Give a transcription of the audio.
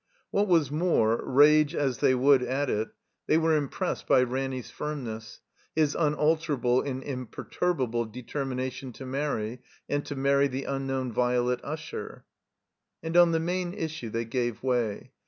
What was more, rage as they wotdd at it, they were impressed by Ranny's firmness, his unalterable and imperturbable determination to marry, and to mar ry the imknown Violet Usher. And on the main issue they gave way.